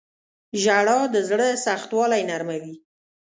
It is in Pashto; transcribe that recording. • ژړا د زړه سختوالی نرموي.